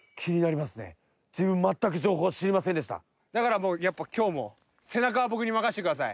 だからもうやっぱ今日も背中は僕に任せてください。